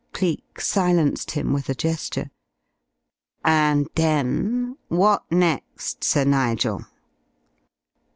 Cleek silenced him with a gesture. "And then what next, Sir Nigel?"